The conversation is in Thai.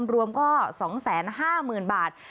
รวมก็๒๕๐๐๐๐บาท